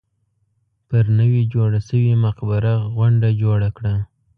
پر نوې جوړه شوې مقبره غونډه جوړه کړه.